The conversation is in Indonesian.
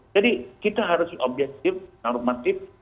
jadi kita harus objektif normatif